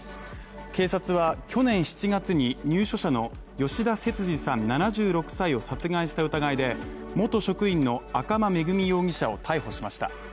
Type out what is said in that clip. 警察は去年７月に入所者の吉田節次さん７６歳を殺害した疑いで、元職員の赤間恵美容疑者を逮捕しました。